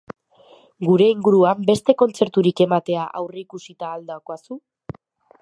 Gure inguruan beste kontzerturik ematea aurreikusita al daukazu?